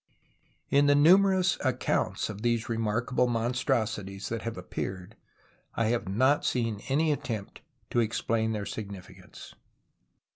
In the numerous accounts of these remark able monstrosities that have appeared, I have not seen any attempt to explain their signifi cance.